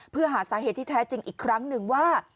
เพื่อหาสาเหตุที่แท้จริงอีกครั้งหนึ่งว่า